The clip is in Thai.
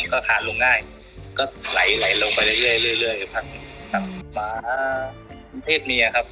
มันก็ทานลงง่ายก็ไหลไหลลงไปเรื่อยเรื่อยเรื่อยพักมาเทศเมียครับ